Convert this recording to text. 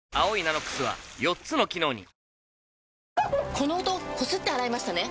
この音こすって洗いましたね？